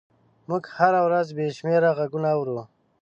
موږ هره ورځ بې شمېره غږونه اورو.